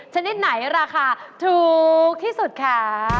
ชนิดไหนราคาถูกที่สุดคะ